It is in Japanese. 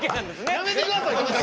やめてください。